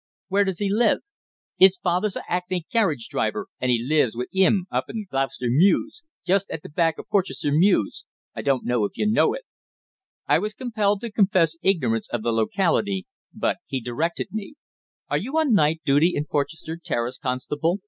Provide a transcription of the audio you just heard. "Where does he live?" "'Is father's a hackney carriage driver, and 'e lives with 'im up in Gloucester Mews, just at the back of Porchester Mews I don't know if you know it?" I was compelled to confess ignorance of the locality, but he directed me. "Are you on night duty in Porchester Terrace, constable?"